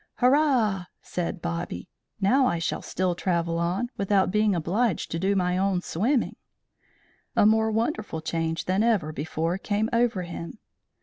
"Hurrah!" said Bobby. "Now I shall still travel on, without being obliged to do my own swimming." A more wonderful change than ever before came over him.